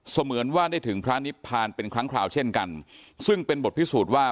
เหมือนว่าได้ถึงพระนิพพานเป็นครั้งคราวเช่นกันซึ่งเป็นบทพิสูจน์ว่า